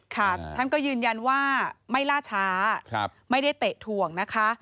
ท่านก็ยืนยันว่าไม่ล่าช้าไม่ได้เตะถ่วงนะคะ